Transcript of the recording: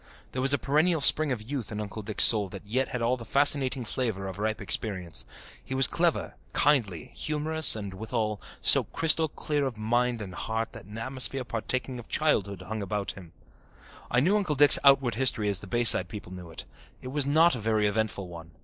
There was a perennial spring of youth in Uncle Dick's soul that yet had all the fascinating flavour of ripe experience. He was clever, kindly, humorous and, withal, so crystal clear of mind and heart that an atmosphere partaking of childhood hung around him. I knew Uncle Dick's outward history as the Bayside people knew it. It was not a very eventful one.